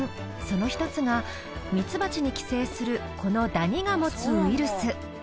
その１つがミツバチに寄生するこのダニが持つウイルス。